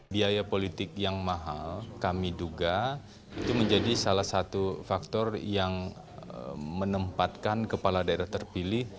biaya politik yang mahal kami duga itu menjadi salah satu faktor yang menempatkan kepala daerah terpilih